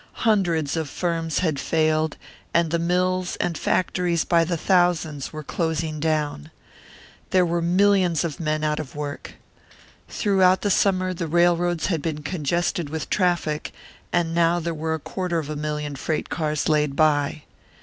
Hundreds of firms had failed, and the mills and factories by the thousands were closing down. There were millions of men out of work. Throughout the summer the railroads had been congested with traffic, and now there were a quarter of a million freight cars laid by.